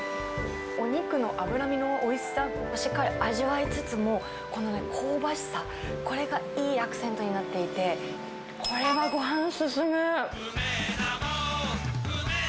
お肉の脂身のおいしさをしっかり味わいつつも、この香ばしさ、これがいいアクセントになっていて、これはごはん進む。